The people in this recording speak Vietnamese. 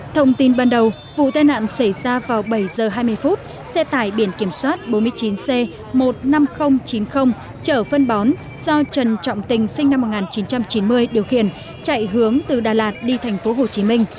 thông tin ban đầu vụ tai nạn xảy ra vào bảy h hai mươi xe tải biển kiểm soát bốn mươi chín c một mươi năm nghìn chín mươi chở phân bón do trần trọng tình sinh năm một nghìn chín trăm chín mươi điều khiển chạy hướng từ đà lạt đi tp hcm